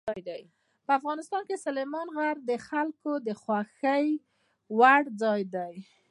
په افغانستان کې سلیمان غر د خلکو د خوښې وړ ځای دی.